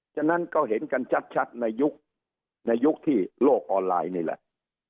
ฉะนั้นก็เห็นกันชัดในยุคในยุคที่โลกออนไลน์นี่แหละ